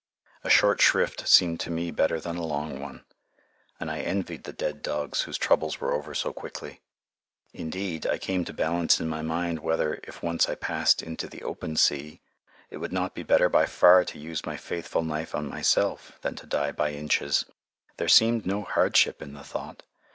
A short shrift seemed to me better than a long one, and I envied the dead dogs whose troubles were over so quickly. Indeed, I came to balance in my mind whether, if once I passed into the open sea, it would not be better by far to use my faithful knife on myself than to die by inches. There seemed no hardship in the thought.